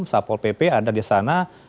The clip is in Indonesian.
satpol pp ada di sana